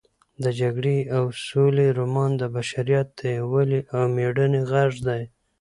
د جګړې او سولې رومان د بشریت د یووالي او مېړانې غږ دی.